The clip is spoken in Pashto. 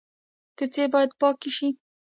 کوڅې باید پاکې شي